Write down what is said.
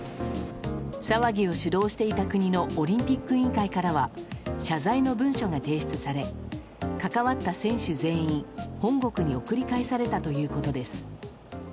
騒ぎを主導していた国のオリンピック委員会からは謝罪の文書が提出され関わった選手全員本国に送り返されたということです。